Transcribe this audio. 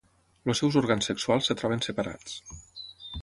Els seus òrgans sexuals es troben separats.